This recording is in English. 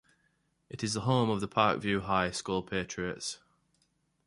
It is the home of the Park View High School Patriots.